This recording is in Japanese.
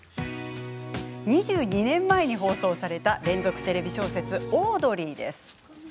２２年前に放送された連続テレビ小説「オードリー」。